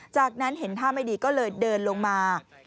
จากนั้นเห็นท่าไม่ดีก็เลยเดินลงมา